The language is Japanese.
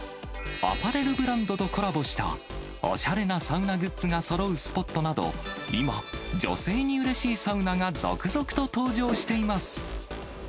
さらに、アパレルブランドとコラボしたおしゃれなサウナグッズがそろうスポットなど、今、女性にうれしいサウナが続々と登場しています。